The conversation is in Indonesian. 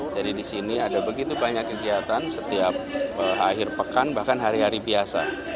jadi disini ada begitu banyak kegiatan setiap akhir pekan bahkan hari hari biasa